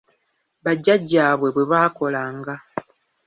Bajjajjaabwe bwe baakolanga.